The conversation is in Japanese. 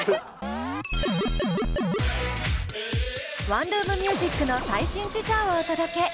ワンルームミュージックの最新事情をお届け。